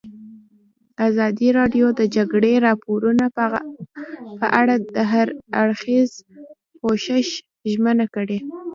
ازادي راډیو د د جګړې راپورونه په اړه د هر اړخیز پوښښ ژمنه کړې.